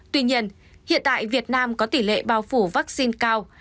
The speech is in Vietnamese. tuy nhiên hiện tại việt nam có tỷ lệ bao phủ vaccine cao